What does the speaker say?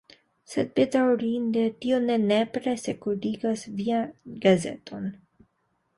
Sed, bedaŭrinde, tio ne nepre sekurigas vian gazeton.